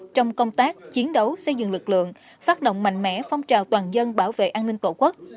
trong công tác chiến đấu xây dựng lực lượng phát động mạnh mẽ phong trào toàn dân bảo vệ an ninh tổ quốc